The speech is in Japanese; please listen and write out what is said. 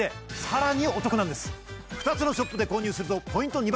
２つのショップで購入するとポイント２倍！